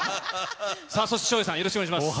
そして照英さん、よろしくお願いいたします。